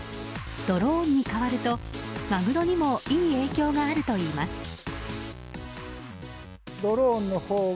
ドローンに変わるとマグロにもいい影響があるといいます。